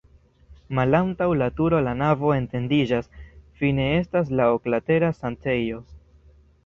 Malantaŭ la turo la navo etendiĝas, fine estas la oklatera sanktejo.